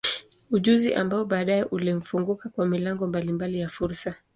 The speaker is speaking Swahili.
Ujuzi ambao baadaye ulimfunguka kwa milango mbalimbali ya fursa.